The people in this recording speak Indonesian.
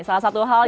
salah satu hal